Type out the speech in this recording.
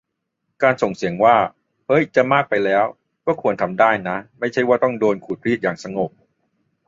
การส่งเสียงว่า "เฮ้ย จะมากไปแล้ว" ก็ควรทำได้นะ ไม่ใช่ว่าต้องโดนขูดรีดอย่างสงบ